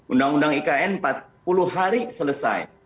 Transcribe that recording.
undang undang ikn empat puluh hari selesai